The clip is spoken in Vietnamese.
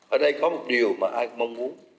ở đây có một điều mà ai cũng mong